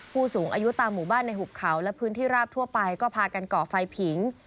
ผู้สูงอายุตามหมู่บ้านในหุบเขาและพื้นที่ราบทั่วไปก็พากันก่อไฟผิง